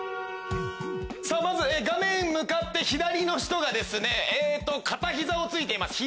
まず画面向かって左の人がえっと片膝を突いています。